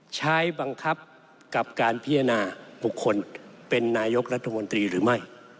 ใช้บังคับกับการพิจารณาบุคคลเป็นนายกรัฐมนตรีหรือไม่